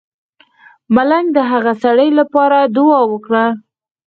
ملنګ د هغه سړی لپاره دعا وکړه.